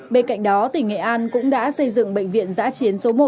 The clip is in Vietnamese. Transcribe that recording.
bên cạnh đó tỉnh nghệ an cũng đã xây dựng bệnh viện giã chiến số một